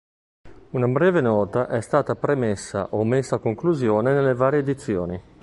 Una breve "Nota" è stata premessa o messa a conclusione nelle varie edizioni.